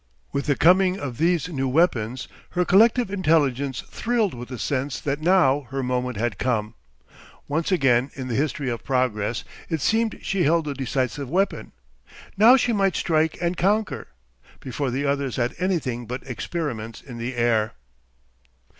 With the coming of these new weapons her collective intelligence thrilled with the sense that now her moment had come. Once again in the history of progress it seemed she held the decisive weapon. Now she might strike and conquer before the others had anything but experiments in the air.